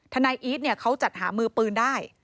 นายอีทเขาจัดหามือปืนได้